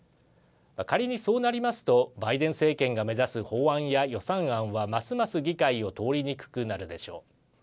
仮にそうなりますとバイデン政権が目指す法案や予算案はますます議会を通りにくくなるでしょう。